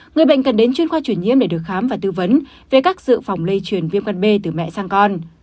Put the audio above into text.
người bệnh cần đến chuyên khoa chuyển nhiễm để được khám và tư vấn về các dự phòng lây truyền viêm gan b từ mẹ sang con